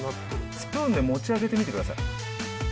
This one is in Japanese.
スプーンで持ち上げてみてください。